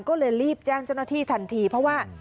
ก็เลยรีบแจ้งเจ้าหน้าที่ทันทีเพราะว่า